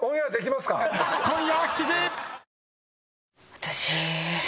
私